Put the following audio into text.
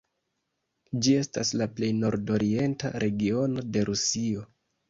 Ĝi estas la plej nordorienta regiono de Rusio.